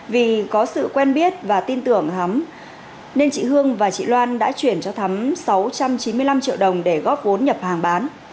vì có sự quen biết và tin tưởng hắm nên chị hương và chị loan đã chuyển cho thắm sáu trăm chín mươi năm triệu đồng để góp vốn nhập hàng bán